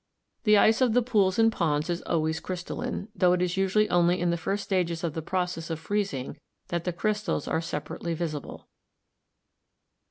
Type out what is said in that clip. The ice of the pools and DESCRIPTIVE MINERALOGY 263 ponds is always crystalline, tho it is usually only In the first stages of the process of freezing that the crystals are separately visible.